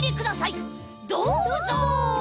どうぞ！